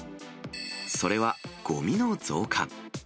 それは、ごみの増加。